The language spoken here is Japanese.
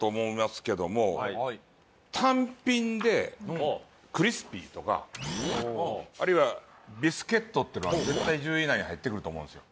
単品でクリスピーとかあるいはビスケットっていうのは絶対１０位以内に入ってくると思うんですよ。